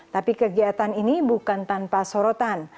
tapi kegiatan ini bukan tanpa sorotan